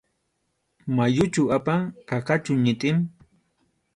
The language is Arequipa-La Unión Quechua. ¿Mayuchu apan?, ¿qaqachu ñitin?